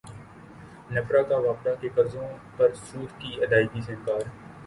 نیپرا کا واپڈا کے قرضوں پر سود کی ادائیگی سے انکار